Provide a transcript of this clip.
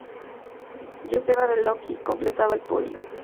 Joseba Beloki completaba el podio.